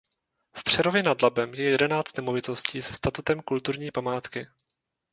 V Přerově nad Labem je jedenáct nemovitostí se statutem kulturní památky.